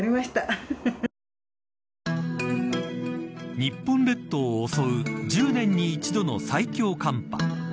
日本列島を襲う１０年に一度の最強寒波。